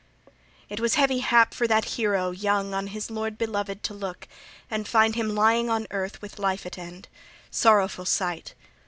XXXVII IT was heavy hap for that hero young on his lord beloved to look and find him lying on earth with life at end, sorrowful sight.